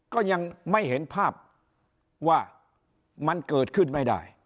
ก็ยังไม่เห็นภาพว่ามันเกิดขึ้นไม่ได้